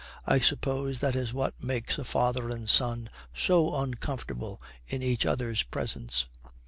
I suppose that is what makes a father and son so uncomfortable in each other's presence.'